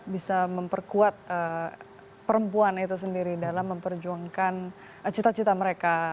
bisa memperkuat perempuan itu sendiri dalam memperjuangkan cita cita mereka